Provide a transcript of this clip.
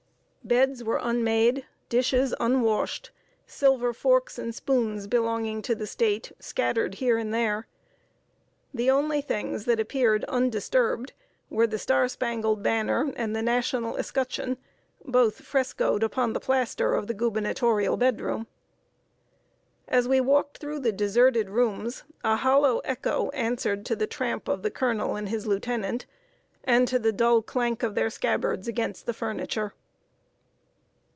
Beds were unmade, dishes unwashed, silver forks and spoons, belonging to the State, scattered here and there. The only things that appeared undisturbed were the Star Spangled Banner and the national escutcheon, both frescoed upon the plaster of the gubernatorial bedroom. As we walked through the deserted rooms, a hollow echo answered to the tramp of the colonel and his lieutenant, and to the dull clank of their scabbards against the furniture.